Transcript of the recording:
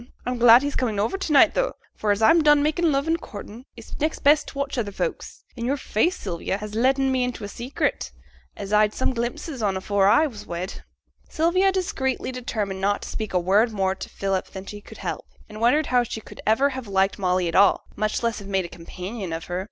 I'm glad he's comin' to night tho', for as I'm done makin' love and courtin', it's next best t' watch other folks; an' yo'r face, Sylvia, has letten me into a secret, as I'd some glimpses on afore I was wed.' Sylvia secretly determined not to speak a word more to Philip than she could help, and wondered how she could ever have liked Molly at all, much less have made a companion of her.